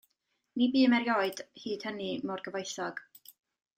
Ni bûm erioed hyd hynny mor gyfoethog.